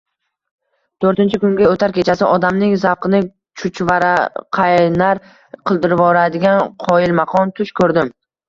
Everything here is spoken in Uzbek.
To‘rtinchi kunga o‘tar kechasi odamning zavqini chuchvaraqaynar qilvoradigan qoyilmaqom tush ko‘rdim